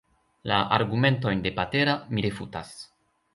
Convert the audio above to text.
La argumentojn de Patera mi refutas.